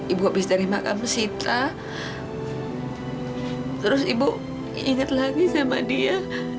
ibu habis dari makam sita terus ibu ingat lagi sama dia